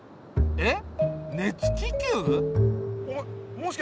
えっ？